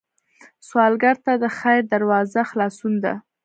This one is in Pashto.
سوالګر ته د خیر دروازه خلاصون ده